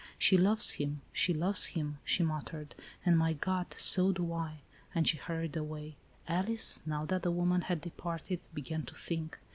" She loves him, she loves him," she muttered, " and, my God, so do I !" and she hurried away. Alice, now that the woman had departed, be gan to think.